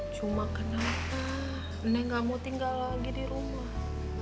cuma kenapa nenek gak mau tinggal lagi di rumah